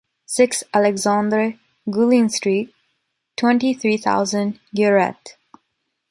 Six Alexandre Guillon Street, twenty-three thousand, Guéret.